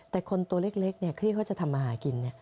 แต่คนตัวเล็กที่เขาจะทำมาหากิน